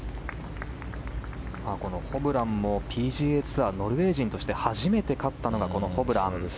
ホブランもＰＧＡツアーノルウェー人として初めて勝ったのがホブラン。